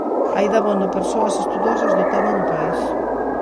Hai dabondo persoas estudosas do tema no país.